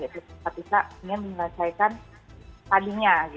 kita ingin mengerjakan tadinya